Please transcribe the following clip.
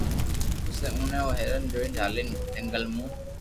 پسي اوڻي او ھيرن ني جالين جنگل مون